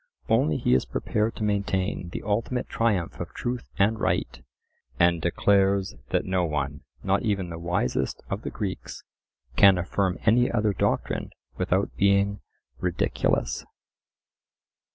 Only he is prepared to maintain the ultimate triumph of truth and right, and declares that no one, not even the wisest of the Greeks, can affirm any other doctrine without being ridiculous.